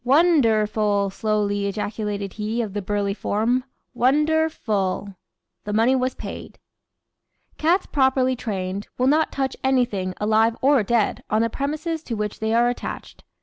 "Won der ful!" slowly ejaculated he of the burly form; "Wonder ful!" The money was paid. Cats, properly trained, will not touch anything, alive or dead, on the premises to which they are attached.